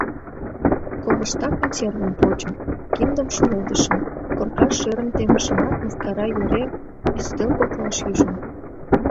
Ковышта консервым почым, киндым шуледышым, коркаш шӧрым темышымат, мыскара йӧре ӱстел коклаш ӱжым: